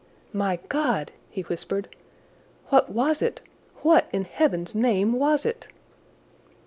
"My God!" he whispered. "What was it? What, in heaven's name, was it?"